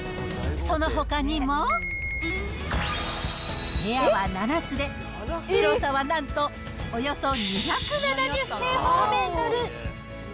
そのほかにも、部屋は７つで、広さはなんとおよそ２７０平方メートル。